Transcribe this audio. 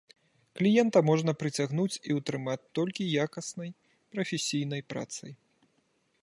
Кліента можна прыцягнуць і ўтрымаць толькі якаснай, прафесійнай працай.